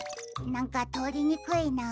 なんかとおりにくいな。